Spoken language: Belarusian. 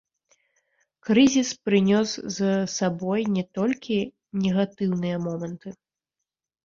Крызіс прынёс з сабой не толькі негатыўныя моманты.